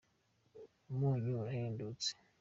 umunyu urahendutse